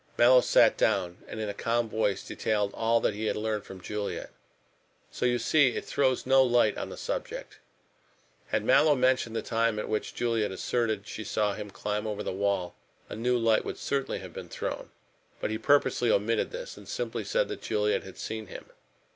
Mallow sat down and in a calm voice detailed all that he had learned from Juliet. "So you see it throws no light on the subject." Had Mallow mentioned the time at which Juliet asserted she saw him climb over the wall a new light would certainly have been thrown. But he purposely omitted this, and simply said that Juliet had seen him.